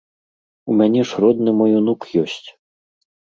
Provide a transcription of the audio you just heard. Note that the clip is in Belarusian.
У мяне ж родны мой унук ёсць!